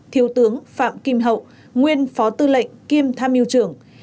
thiếu tướng phạm kim hậu nguyên phó tư lệnh kiêm tham yêu trưởng